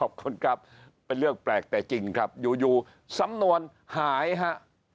ขอบคุณครับเป็นเรื่องแปลกแต่จริงครับอยู่สำนวนหายฮะ